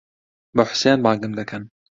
بە حوسێن بانگم دەکەن.